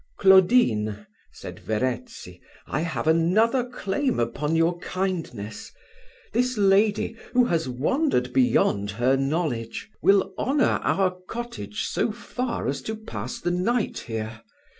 "Claudine," said Verezzi, "I have another claim upon your kindness: this lady, who has wandered beyond her knowledge, will honour our cottage so far as to pass the night here.